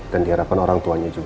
dan dihadapan orang tuanya juga